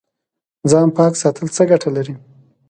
ځان پاک ساتل څه ګټه لري؟